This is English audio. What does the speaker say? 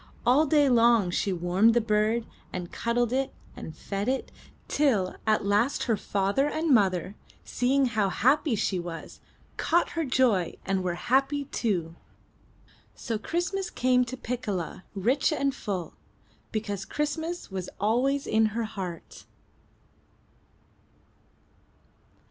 All day long she warmed the bird, and cuddled it, and fed it, till at last her father and mother, seeing how happy she was, caught her joy and were happy, too. So Christ mas came to Piccola rich and full, because Christmas was always in her heart.